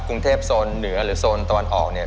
กรุงเทพโซนเหนือหรือโซนตะวันออกเนี่ย